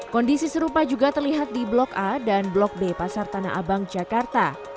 kondisi serupa juga terlihat di blok a dan blok b pasar tanah abang jakarta